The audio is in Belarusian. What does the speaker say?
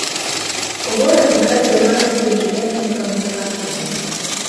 Горад няхай займаецца інжынернымі камунікацыямі.